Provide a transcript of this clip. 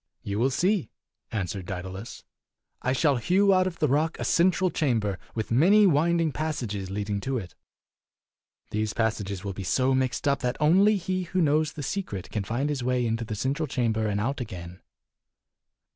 "You will see," answered Daedalus. "I shall hew out of the rock a central chamber, with many winding passages leading to it. These passages will be so mixed up that only he who knows the secret can find his way into the cen tral chamber and out again."